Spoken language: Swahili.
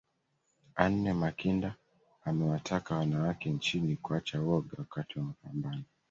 Anne Makinda amewataka wanawake nchini kuacha woga wakati wa mapambano